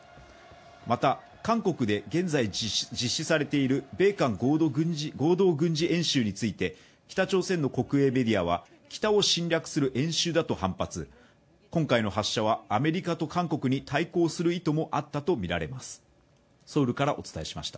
また韓国で現在実施されている米韓合同軍事演習について北朝鮮の国営メディアは北を侵略する演習だと反発、今回の発射はアメリカと韓国に対抗する意図もあったとみられます。